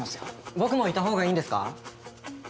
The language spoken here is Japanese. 僕もいた方がいいんですか？